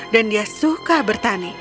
dan dia suka bertani